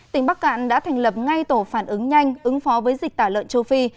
tỉnh bắc cạn đã thành lập ngay tổ phản ứng nhanh ứng phó với dịch tả lợn châu phi